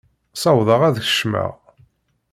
Ssawḍeɣ ad kecmeɣ.